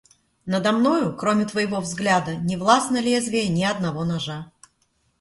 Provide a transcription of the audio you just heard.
Надо мною, кроме твоего взгляда, не властно лезвие ни одного ножа.